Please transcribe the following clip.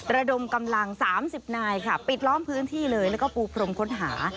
ระดมกำลัง๓๐นายค่ะปิดล้อมพื้นที่เลยแล้วก็ปูพรมค้นหา